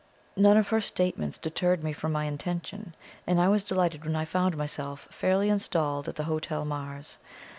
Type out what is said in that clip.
None of her statements deterred me from my intention, and I was delighted when I found myself fairly installed at the Hotel Mars.